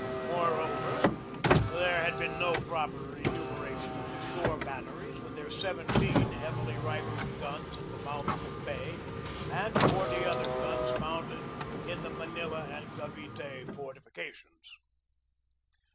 Moreover, there had been no proper enumeration of the shore batteries with their seventeen heavy rifled guns at the mouth of the bay and forty other guns mounted in the Manila and Cavite fortifications.